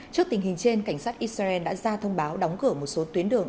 trước tình hình trên cảnh sát israel đã ra thông báo đóng cửa một số tuyến đường